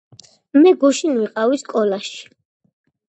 მე გუშინ ვიყავი სკოლაში.